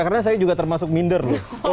karena saya juga termasuk minder loh